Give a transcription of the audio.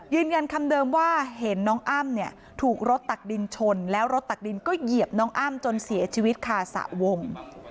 ยืนยันคำเดิมว่าเห็นน้องอ้ำเนี่ยถูกรถตักดินชนแล้วรถตักดินก็เหยียบน้องอ้ำจนเสียชีวิตคาสระวง